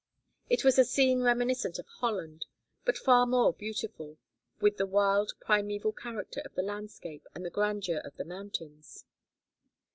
It was a scene reminiscent of Holland, but far more beautiful, with the wild primeval character of the landscape and the grandeur of the mountains.